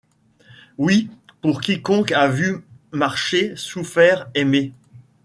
Oui, pour quiconque a vu, marché, souffert, aimé